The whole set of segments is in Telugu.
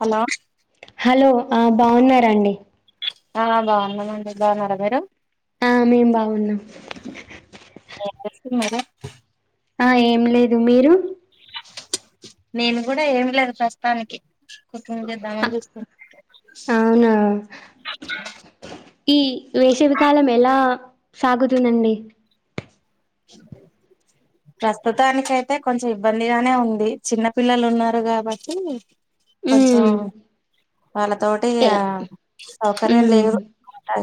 హలో హలో బాగున్నారంండి ఆ బాగున్నామండి బాగున్నారా మీరు ఆ మేం బాగున్నాం స్తు మద ఆ ఏం లేదు మీరు నేను కూడా ఏమి లేదు ప్రస్తుతానికి కుం చేద్దామ అవునా ఈ వేషవికాలం ఎలా సాగుతుందండి ప్రస్తుతానినికి అయితే కొంచెం ఇబ్బందిగానే ఉంది చిన్న పిల్లలు ఉన్నారు కాబట్టి అదా ఉమ్ వాళ్ళతోటి ఏ సౌకర్యం ఉమ్ లేదు అ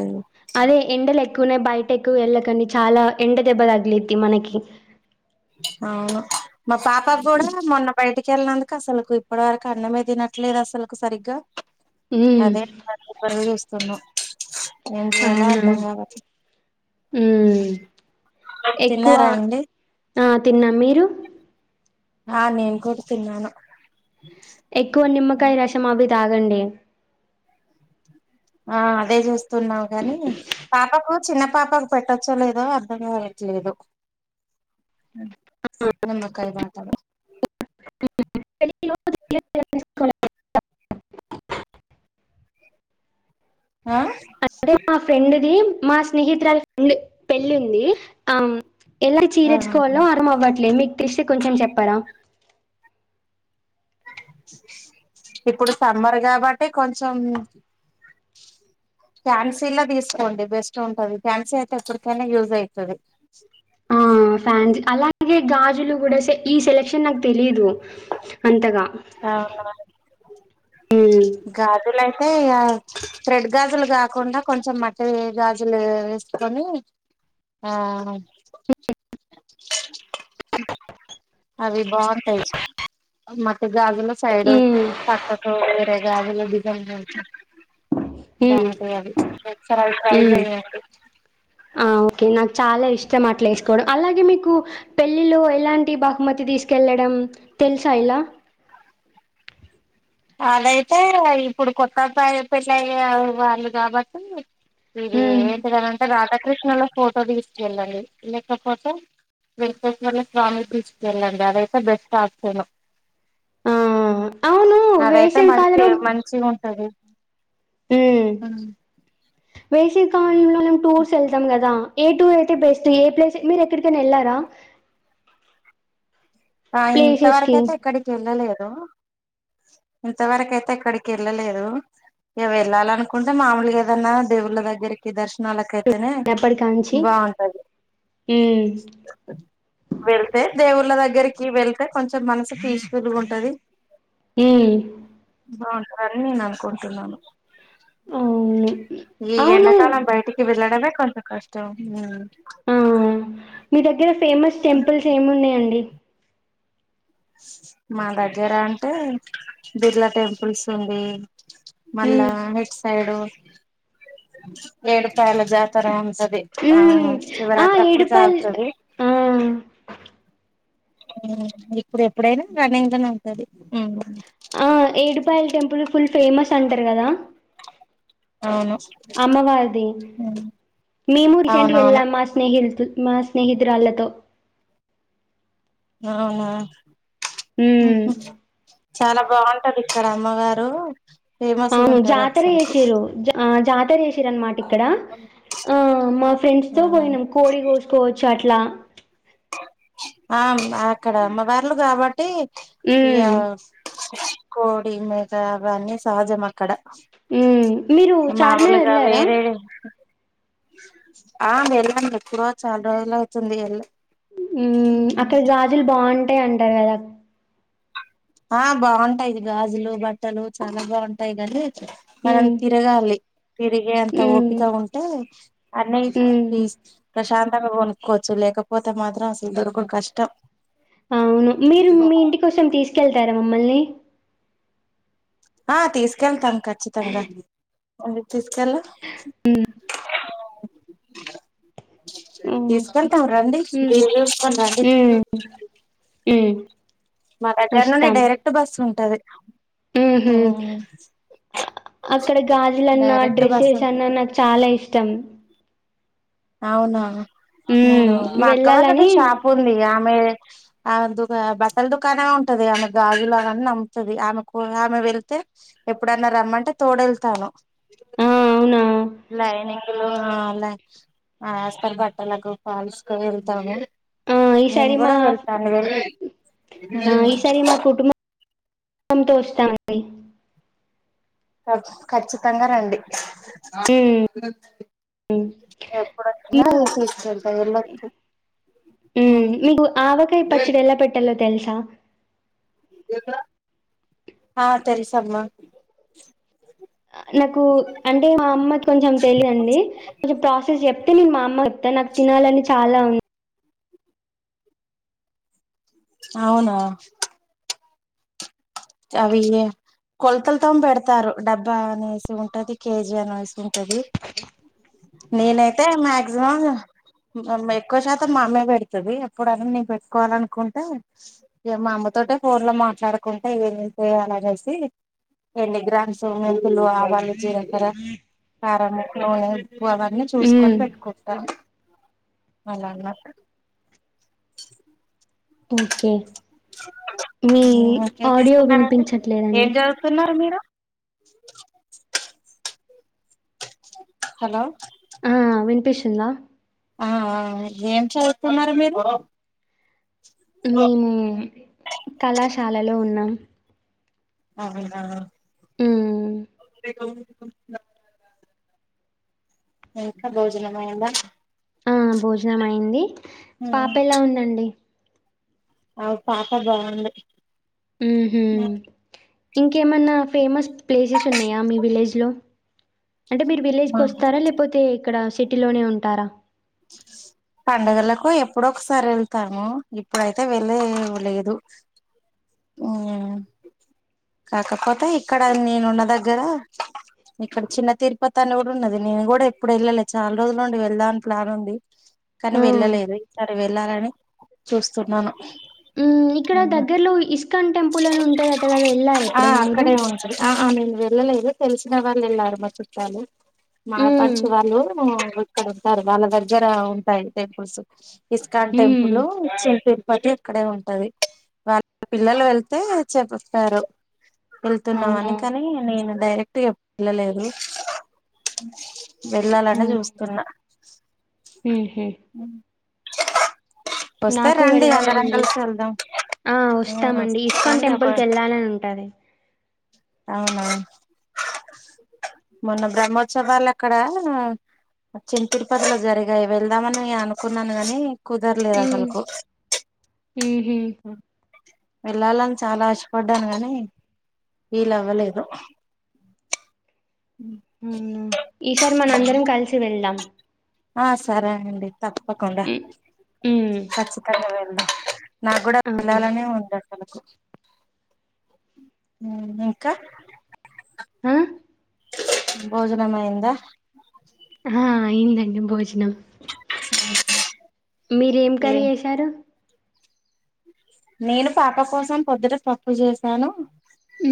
ఎక్కునే బయట ఎక్కువ వెళ్ళకని చాలా ఎండ దెబ్బ తగిలిద్ది మనకి అవును మా పాప కూడా మొన్న బయటికి వెళ్ళనందుకు అసలు ఇప్పటి వరకు అన్నమే తినట్ ట్లేదు అసలులకు సరిగ్గా ఉమ్ అదేరు చూస్తున్నా ఏంటి ఎాల అవునా అర్ధం కాకదు ఉమ్ ఎక్కువ తిన్నారా అండి ఆ తిన్నాం మీరు ఆ నేన్ కూడా తిన్నాను ఎక్కువ ఉ నిమ్మకాయ రసం అవి తాగండి ఆ అదే చూస్తున్నావు కాని పాపకు చిన్న పాపకు పెట్టచ్చో లేదో అర్ధం కా లేదు నిమ్మకాయ వాటర్ - [unintelligible] ఆ అంటే మా ఫ్రెండ్ది మా స్నేహితురాల ఫ్రెండ్ పెళ్లిి ఉంది ఆ ఎలాంటి చీర ఎంచుకోవాలో అర్థం అవ్వట్లేదు మీకు తెలిస్తే కొంచెం చెప్పరా ఇప్పుడు సమ్మర్ కాబట్టి కొంచెం ఫ్యాన్సి లో తీసుకోండి బెస్ట్ ఉంటది ఫ్యాన్సీ అయితే ఎప్పటికైనా యూజ్ అయితది ఆ ఫ్యాన్స్ అలాగే గాజులు కూడా ఈ సెలక్షన్ నాకు తెలీదు అంతగా అవునా ఉమ్ గాజులు అ యితే త్రెడ్ గాజులు కాకుండా కొంచెం మెటల్ గాజులు వేసుకొని ఆ అవి బావుంటాయి మట్టి గాజలు సైడ్ వి ఉమ్ పక్క కు వేరె గాజులు డిజైన్ ఉం ఉమ్ బావుంటాయి అవి ఒకసారి అవి ట్రై ఉమ్ చేయండి ఆ ఓకే నాకు చాలా ఇష్టం అట్లా వేసుకోవడం అలాగే మీకు పెళ్ళిలో ఎలాంటి బహుమతి తీసుకెళ్ డం తెలుసా ఇలా అదయితే ఇప్పుడు కొత్త అబ్బయి పెళ్ళయ్య వాళ్ళు కాబట్టి ఇది ఉమ్ ఏంటిదనింటే రాధాకృష్ణ ల ఫోటో తీసుకెళ్ళండి లెక్క పొతే వెంకటేశ్వర స్వామి ది తీసుకెళ్ళండి అదైతే బెస్ట్ ఆప్షను ఆ అవును అదయితే వేసవి మంచి కాలంలో మంచిగా ఉంటది అ వేషవిికాలంలో మనం టూర్స్ వెళ్తాం కదా ఏ టూర్ అయితే బెస్ట్ ఏ ప్లేస్ మీరు ఎక్కడికైనా వెళ్ళారా ఆ ప్లేసెస్ కి ఇంతవరకయితే ఎక్కడికి వెళ్ళలేదు ఇంత వరకైతే ఎక్కడికి వెళ్లలేదు ఇక వెళ్ళాలనుకుంటే మామలుగా ఏదన్నా దేవుళ్ళ దగ్గరికి దర్శనాలక అయితే తేనే చిన్నప్పటికాంచి బావుంటది మ్మ్ వెళ్తే దేవుళ్ళ దగ్గర వెళ్తే కొంచెం మనసు పీస్ ఫుల్ గా ఉంటది మ్మ్ బావు అని నేను అనుకుంటున్నాను అవును ఈ అవును ఎండాకాలం బయటికి వెళ్ళడమే కొంత కష్టం ఆ మీ దగ్గర ఫేమస్ టెంపుల్స్ ఏమి ఉన్నాయండి మా దగ్గర అంటే బిర్లా టెంపుల్స్ ఉంది మళ్ళా మ్మ్ ఇటు సైడు ఏడు పాయాల జాతర అమ్సది ఆ మ్మ్ ఆ శివరాత్రి అప్పుడు ఏడుపాయల్ సాగుత ది ఆ ఇప్పుడు ఎప్పుడైనా రన్నింగ్ లోనే ఉంటది ఆ ఏడుపాయల్ టెంపుల్ ఫుల్ ఫేమస్ అంటారు కదా అవును అమ్మవారిది ఉమ్ మేము రీసెంట్ అవునవును గాఎళ్ళం మా స్నేహితు మా స్నేహితురాళ్ళతో అవునా మ్మ్ చాలా బావుంటది అక్కడమ్మవారు అవును జాతర చేసిరు జాతరచేసిరన్నమాట ఇక్కడ ఆ మా ఫ్రెండ్స్ ఆ తో పోయినాం కోడి కోసుకోవచ్చు అట్లా ఆ అక్కడ అమ్మవర్లు కాబట్టి ఇ ఉమ్ కోడి మేక అన్ని సహజం అక్కడ ఉమ్ మీరు చార్మినార్ మాములుగా వెళ్ళారా వేరే ఆ వెళ్ళండి ఎప్పుడో చాలా రోజులు అవుతుంది ఎల్లి ఉ అక్కడ గాజులు బాగుంటాయి అంట కదా ఆ బాగుంటాయి గాజులు బట్టలు చాలా బాగుంటాయి గానీ మనం ఉమ్ తిరగాలి తిరిగే అంత ఉమ్ ఓపికా ఉంటే అన్నయ్ ఉమ్ ఇస్ ప్రశ్న్ తంగ్ కొనుక్కోవచ్చు లేకపోతే మాత్రం అసలు దొరకుడు కష్టం అవును మీరు మీ ఇంటి కోసం తీసుకెళ్తారా మమ్మల్ని ఆ తీసుకెళ్తాం ఖచ్చితంగా తీసుకెళ్ళ ఓకే తీసుకెళ్తాం రండి ఉమ్ మీరు చూసుకుని రండి ఉమ్ ఉమ్ మా దగ్గర నుండి వస్తాం డైరెక్ట్ బస్ ఉంటాది ఊ ఉహు అక్కడ గాజుల అన్న డైరెక్ట్ బస్ డ్రెస్సెస్ అన్నా ఉంటది నాకు చాలా ఇష్టం అవునా నేను హ్మ్ మా అక్క వాళ్ళది వెళ్ళాలని షాప్ ఉంది ఆమె ఆమె దుకా బట్టలు దుకాణం మే ఉంటది ఆమె గాజులు అవి అన్ని అమ్ముతాది ఆమెకు ఆమె వెళ్తే ఎప్పుడన్నా రమ్మంటే తోడు వెళ్తాను ఆ అవునా లైనింగ్ లు అలా ఆస్పర్ బట్టలకు ఫాల్స్ కు వెళ్తాము ఉ నేను ఈసారి మా కూడా వెళ్తాను వెళ్ళి ఆ ఈసారి మా కుటుంబం తంతో వస్తామండి కర్చ్ ఖచ్చితంగా రండి హ్మ్ ఎప్పుడొచ్చినా మీకు తీసుకెళ్తా ఎల్లోచ్చి ఊ మీకు ఆవకాయ పచ్చడి ఎలా పెట్టలో తెలుసా ఆ తెలుసమ్మా నాకు అంటే మా అమ్మ కి కొంచెం తెలియా అండి కొంచెం ప్రాసెస్ చెప్తే నేను మా అమ్మ తనకి తినాలని చాలా ఉన్ అవునా అవి కొలతలతోమ్ పెడతారు డబ్బా అనేసి ఉంటది కేజీ అనే వేసి ఉంటది నేనైతే మాక్సిమం మమ్మ ఎక్కువ శాతం మా అమ్మే పెడతది ఎప్పుడైనా నీ పెట్టుకోవాల అనుకుంటే ఇక మమ్మ తోటే ఫోన్ లో మాట్లాడుకుంటే ఇవన్నీ ఎన్ని చేయాలనేసి ఎన్ని గ్రామ్స్ ఇల్లు ఆవాలు జీలకర్ర కారం ఉప్పు ఉప్పు అవన్నీ హ్మ్ చూసుకొని పెట్టుకో ట అలా అన్న పూకే ఏం వినిపించట్లేదండి చదువుతున్నారు మీరు హలో వినిపిసుందా ఆ ఆ ఏం చవుతున్నారు మీరు మేము కళాశాలలో ఉన్నాం అవునా ఊ ఇంకా భోజనం అయ్యిందా ఆ భోజనం అయింది పాప ఎలా ఉందండి అవ్ పాప బాంది ఉహు ఇంకేమన్నా ఫేమస్ ప్లేసెస్ ఉన్నాయా మీ విలేజ్ లో అంటే మీరు విలేజ్ కు వస్తారా లేకపోతే ఇక్కడ సిటీ లోనే ఉంటారా పడుగలకు ఎప్పుడ ఒకసారి వెళ్తాను ఇప్పుడైతే వెళ్లే లేదు ఉమ్మ్ కాకపోతే ఇక్కడ నేనున్న దగ్గర ఇక్కడ చిన్న తిరుపతి అనే కూడా ఉన్నది నేను కూడా ఎప్పుడు వెళ్ళాలి చాలా రోజులు ఉండి వెళ్దా అని ప్లాన్ ఉండి కానీ ఆ వెళ్ళలేదు ఈసారి వెళ్ళాలని చూస్తున్నాను ఇక్కడ అవునా దగ్గరలో ఇస్కాన్ టెంపుల్ అని ఉంటుందట కదా వెళ్ళారు ఆ ఎప్పుడైనా మీరు అక్కడే ఉంటది ఆ నేను వెళ్ళలేదు తెలిసిన వాళ్ళు వెళ్ళారు మా చుట్టాలు ఉమ్ మాట్పడుచు వాళ్ళు క్క ఉంటారు వాళ్ళ దగ్గర ఉంటాయి టెంపుల్స్ ఇస్కాన్ ఉమ్ టెంపుల్ తిరుపతి ఇక్కడే ఉంటది వాళ్ళ పిల్లలు వెళ్తే చెపిస్తారు వెళ్తున్నామ అవునా అని కానీ నేను డైరెక్ట్ వెళ్ళలేదు వెళ్ళాలని చూస్తున్నా హ హ వస్తే నాకు రండి అందరం వెళ్ళాలనింది కలిసి వెళ్దాం ఆ వస్తామండి వస్తా ఇస్కాన్ రండి ఒక టెంపుల్ క వెళ్ళాలని ఉంటది అవును మన భరత్మోత్సవాలు అక్కడ చిన్న తిరుపతిలో జరిగాయి వెళ్దామని న అనుకున్నాను గాని కుదరలేదు ఉమ్ అసలులకు ఉహు వెళ్ళాలని చాలా ఇష్టపడ్డాను కాగాని వీలు అవ్వలేదుో [inaudible] మన అందరం కలిసి వెళ్దాం సరేనండి తప్పకుండా హ్మ్ హ్మ్ ఖచ్చితంగా వెళ్దాం నాకు కూడా అవును. వాళ్లళినే ఉండడి ఇంకా ఆ భోజనమయంద ఆ ఇందండి భోజనం మీరేం ఏ కర్రీ చేసారు నేను పాప కోసం పొద్దుట తప్పు చేసాను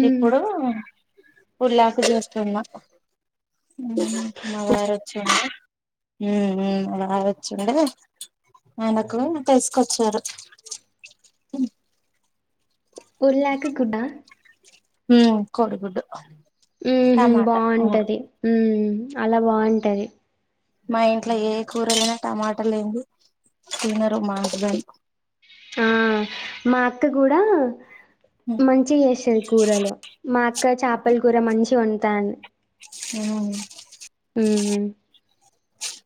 ఇప్పుడు ఉలిక్కు చూస్తుమా మా వారు వచ్చంటడి హ నా వచ్చిండే ఆయనకు తెసుకొచ్చారు ఉలిక్కు కూర హ కోడి గుద్దు ఉ బాగుంటది ఉ అలా బాగుంటది మా ఇంట్లో ఏ కూర అైనా టమాటలు లంది తినరు మాటవరు ఆ మా అత్త కూడా మంచి చేస్తుది కూరలు మా అక్క చేపల కూర మంచి వంటాని ఉమ్ హ్మ్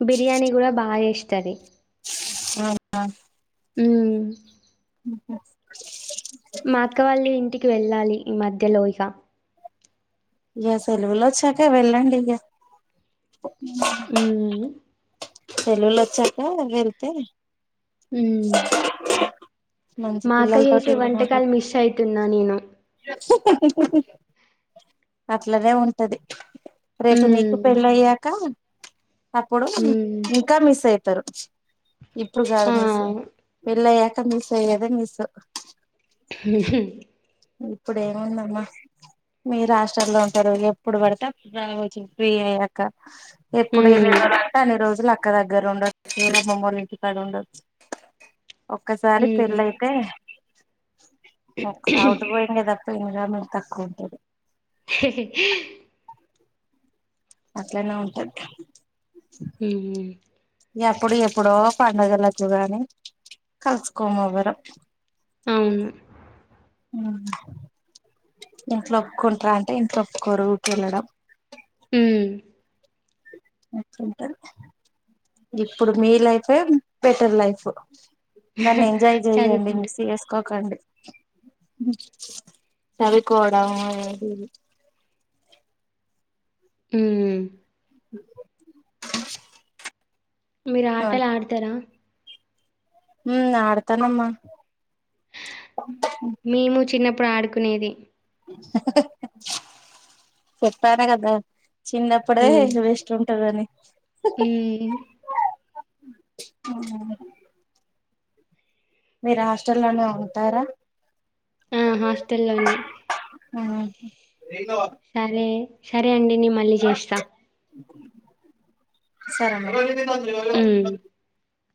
బరియనిీ కూడా సరే ఆ హ హ్మ్ ఉ మా అక్కవాళ్ళు ఇంటికి వెళ్ళాలి ఈ మధ్య లోయగా ఇక సలవులు వచ్చాక వెళ్ళండి ఇక హ్మ్ తెలుగుళ్ళ వచ్చాక వెళ్తే [inaudible] మంచి మా అక్క పిల్లలతోటి చేసే ఇవ మా వంటకాలు మిస్ అయితున్నా నేను అట్లనేే ఉంటది రేపు నీకు హ్మ్ పెళ్ళయ్యాక అప్పుడు హ్మ్ ఇంకా మిస్ అయితారు ఇప్పుడు గడ ఆ మస వెళ్ళయ్యాక తాన్, మిస్ అయ్యేదే మిస్. ఉహూ. ఇప్పుడు ఏముందమ్మా? మీరు హాస్టల్‌లో ఉంటారు. ఎప్పుడు పడితే అప్పుడు రావచ్చు, ఫ్రీ అయ్యాక. ఎప్పుడు ఎన్ని రోజులు అంటే, అన్ని రోజులు అక్కడ. ఒక్క దగ్గర ఉండరు [unintelligible] మమ్మీవోళ్లా ఇంటికాడ ఉండరు. ఒక్కసారి పెళ్లి హ్మ్ అయితే, ఒక సవుడు. రక్తం ఎనిమిది గ్రాములు, తక్కువ ఉంటది. హే హే హీ. అట్లనే ఉంటది దా? మ్మ్, మ్మ్. ఎప్పుడు ఎప్పుడో పండుగలకు గానీ, కలుసుకోము ఎవరము. అవును. మ్మ్, ఇంట్ల ఒప్పుకుంటార అంటే, ఇంట్ల ఒప్పుకోరు ఊకే వెళ్లడం. మ్మ్. ఎట్లా ఉంటారు? ఇప్పుడు మీ లైఫ్ బెటర్ లైఫ్. దాన్ని ఎంజాయ్ చెయ్యండి, చదువుకుంట మిస్ చేసుకోకండి. చదువుకోవడం, అది ఏది? మ్మ్. మీరు, ఆటలు ఆడతారా? మ్, ఆడతానమ్మా! మేము, చిన్నప్పుడు ఆడుకునేది. ఏయ్, హే హే... చెప్పానే కదా! చిన్నప్పుడే వేస్ట్ ఉంటాదని. ఉమ్. అవునవును. మీరు, హాస్టల్లోనే ఉంటారా? ఆ, హాస్టల్లోనే. మ్హు. సరే, సరే అండి. నేనే మళ్ళీ చేస్తా. సరే మరి, అన్న తింటాదుకు లేరా? హ్మ్